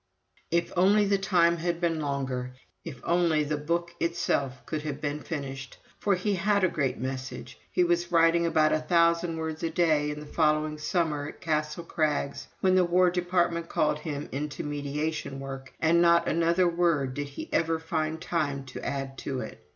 If only the time had been longer if only the Book itself could have been finished! For he had a great message. He was writing about a thousand words a day on it the following summer, at Castle Crags, when the War Department called him into mediation work and not another word did he ever find time to add to it.